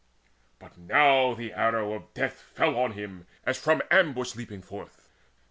But now the arrow of death Fell on him, as from ambush leaping forth.